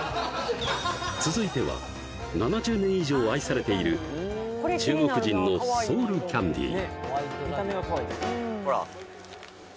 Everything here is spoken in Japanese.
続いては７０年以上愛されている中国人のソウルキャンディー